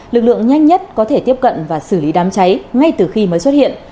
lực lượng nhanh nhất có thể tiếp cận và xử lý đám cháy ngay từ khi mới xuất hiện